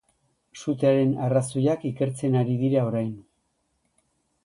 Sutearen arrazoiak ikertzen ari dira orain.